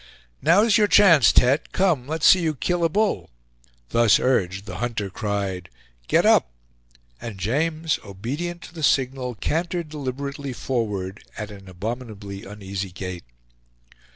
"Now's your chance, Tete; come, let's see you kill a bull." Thus urged, the hunter cried, "Get up!" and James, obedient to the signal, cantered deliberately forward at an abominably uneasy gait.